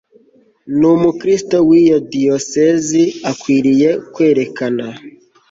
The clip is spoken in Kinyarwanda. n umukristo w iyi diyosezi akwiriye kwerekana